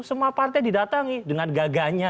semua partai didatangi dengan gagahnya